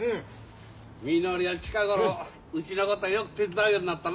みのりは近頃うちのことよく手伝うようになったな。